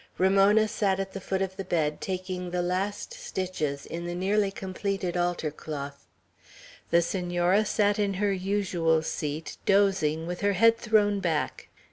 Ramona sat at the foot of the bed, taking the last stitches in the nearly completed altar cloth. The Senora sat in her usual seat, dozing, with her head thrown back.